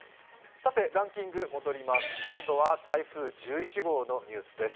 ランキング戻ります、今度は台風１１号のニュースです。